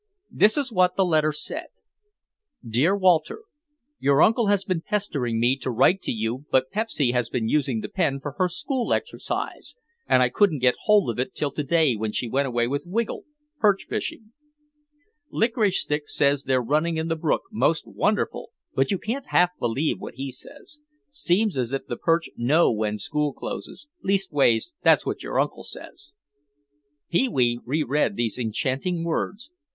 This is what the letter said: Dear Walter: Your uncle has been pestering me to write to you but Pepsy has been using the pen for her school exercise and I couldn't get hold of it till to day when she went away with Wiggle, perch fishing. Licorice Stick says they're running in the brook most wonderful but you can't believe half what he says. Seems as if the perch know when school closes, leastways that's what your uncle says. Pee wee reread these enchanting words.